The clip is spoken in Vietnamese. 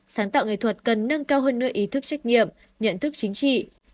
sáng tạo nghệ thuật cần nâng cao hơn nửa ý thức trách nhiệm nhận thức chính trị